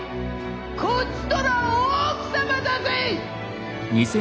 こちとら大奥様だぜぃ！